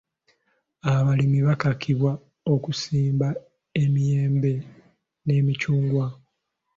Abalimi baakakibwa okusimba emiyembe n'emiccungwa.